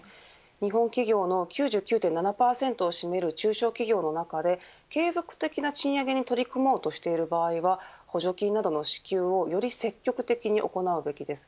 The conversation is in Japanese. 日本企業の９９．７％を占める中小企業の中で継続的な賃上げに取り組もうとしている場合は補助金などの支給をより積極的に行うべきです。